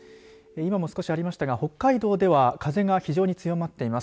今も少しありましたが北海道では風が非常に強まっています。